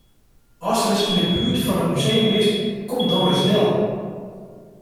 Ast ris yn 'e buert fan it museum bist, kom dan ris del.